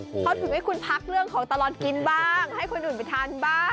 เขาถึงให้คุณพักเรื่องของตลอดกินบ้างให้คนอื่นไปทานบ้าง